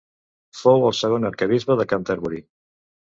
Fou el segon arquebisbe de Canterbury.